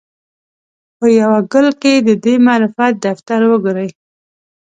په یوه ګل کې دې د معرفت دفتر وګوري.